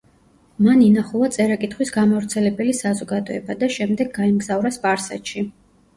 მან ინახულა წერა-კითხვის გამავრცელებელი საზოგადოება და შემდეგ გაემგზავრა სპარსეთში.